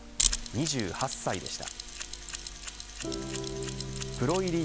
２８歳でした。